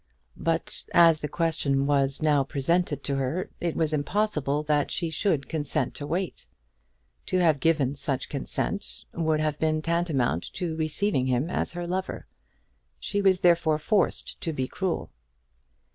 But, as the question was now presented to her, it was impossible that she should consent to wait. To have given such consent would have been tantamount to receiving him as her lover. She was therefore forced to be cruel.